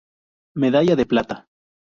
Medalla de Plata.